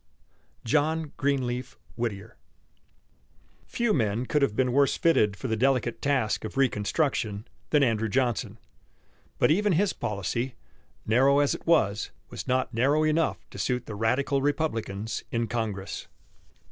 JOHN GREENLEAF WHITTIER. Few men could have been worse fitted for the delicate task of reconstruction than Andrew Johnson. But even his policy, narrow as it was, was not narrow enough to suit the radical Republicans in Congress.